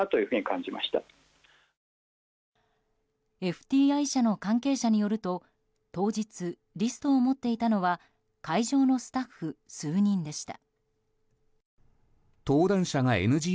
ＦＴＩ社の関係者によると当日、リストを持っていたのは会場のスタッフ数人でした。